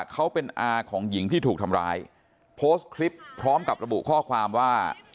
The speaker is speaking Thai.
เขาเป็นอาของหญิงที่ถูกทำร้ายโพสต์คลิปพร้อมกับระบุข้อความว่า